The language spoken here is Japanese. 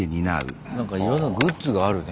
なんかいろんなグッズがあるね